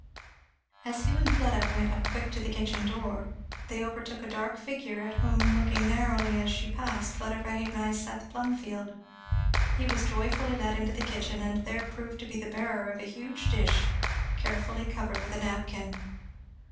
As Hugh and Fleda went quick up to the kitchen door they overtook a dark figure, at whom looking narrowly as she passed, Fleda recognised Seth Plumfield. He was joyfully let into the kitchen, and there proved to be the bearer of a huge dish carefully covered with a napkin.